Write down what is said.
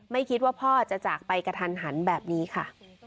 ไม่คิดว่าพ่อจะจากไปกระทันหันแบบนี้ค่ะ